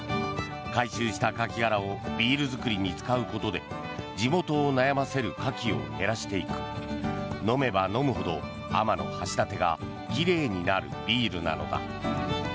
回収したカキ殻をビール造りに使うことで地元を悩ませるカキを減らしていく飲めば飲むほど天橋立が奇麗になるビールなのだ。